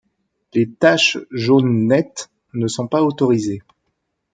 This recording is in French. Les taches jaunes nettes ne sont pas autorisées.